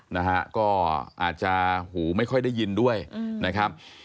นะฮะก็อาจจะหูไม่ค่อยได้ยินด้วยนะครับ